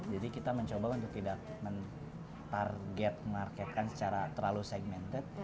jadi kita mencoba untuk tidak target market secara terlalu segmented